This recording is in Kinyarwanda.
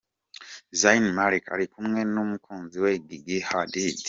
Zayn Malik ari kumwe n’umukunzi we Gigi Hadid.